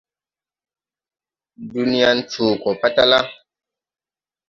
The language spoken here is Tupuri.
Dunyan coo gɔ patala.